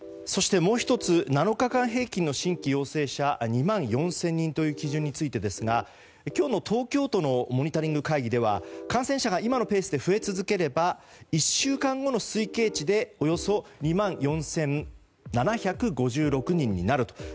そして、もう１つ７日間平均の新規陽性者２万４０００人という基準についてですが今日の東京都のモニタリング会議では感染者が今のペースで増え続ければ１週間後の推計値でおよそ２万４７５６人になると。